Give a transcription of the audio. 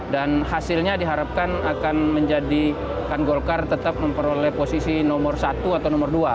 dan hasilnya diharapkan akan menjadikan golkar tetap memperoleh posisi nomor satu atau nomor dua